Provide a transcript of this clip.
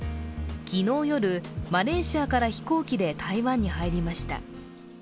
昨日夜、マレーシアから飛行機で台湾に入りました。